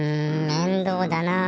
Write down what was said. めんどうだなあ。